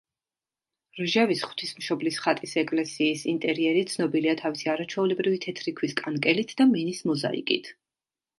რჟევის ღვთისმშობლის ხატის ეკლესიის ინტერიერი ცნობილია თავისი არაჩვეულებრივი თეთრი ქვის კანკელით და მინის მოზაიკით.